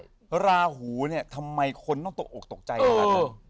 เพราะลาหูเนี่ยทำไมคนต้องตกออกตกใจละครับ